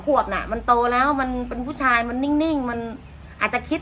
ขวบน่ะมันโตแล้วมันเป็นผู้ชายมันนิ่งมันอาจจะคิด